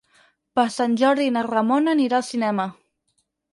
Per Sant Jordi na Ramona anirà al cinema.